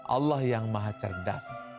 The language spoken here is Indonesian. allah yang maha cerdas